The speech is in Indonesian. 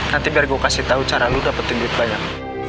nanti biar gue kasih tau cara lu dapetin duit banyak